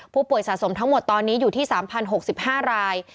สะสมทั้งหมดตอนนี้อยู่ที่๓๐๖๕ราย